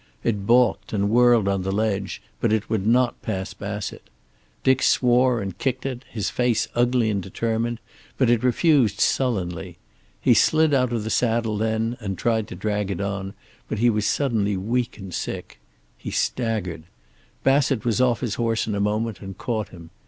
It balked and whirled on the ledge, but it would not pass Bassett. Dick swore and kicked it, his face ugly and determined, but it refused sullenly. He slid out of the saddle then and tried to drag it on, but he was suddenly weak and sick. He staggered. Bassett was off his horse in a moment and caught him.